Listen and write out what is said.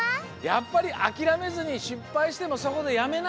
やっぱりあきらめずにしっぱいしてもそこでやめない。